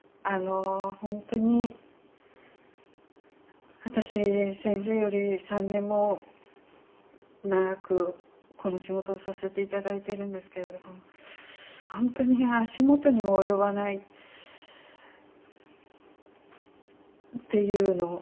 本当に私先生より３年も長くこの仕事をさせて頂いているんですけれども本当に足元にも及ばないっていうのを